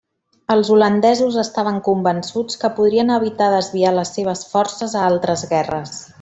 Els holandesos estaven convençuts que podrien evitar desviar les seves forces a altres guerres.